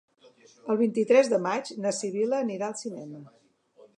El vint-i-tres de maig na Sibil·la anirà al cinema.